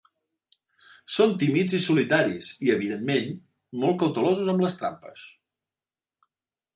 Són tímids i solitaris, i evidentment molt cautelosos amb les trampes.